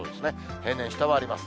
平年下回ります。